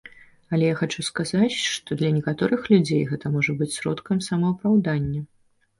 Але я хачу сказаць, што для некаторых людзей гэта можа быць сродкам самаапраўдання.